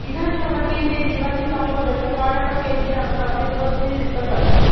বিধানসভা কেন্দ্রের নির্বাচিত সদস্য কর্ণাটকের বিধানসভাতে প্রতিনিধিত্ব করে।